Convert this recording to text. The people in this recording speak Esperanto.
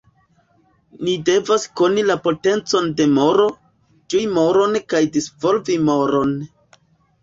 Ni devas koni la potencon de moro, ĝui moron kaj disvolvi moron.